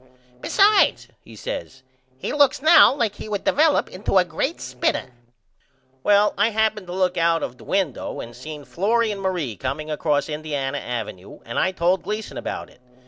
Besides, he says, he looks now like he would divellop into a great spitter. Well I happened to look out of the window and seen Florrie and Marie comeing acrost Indiana Avenue and I told Gleason about it.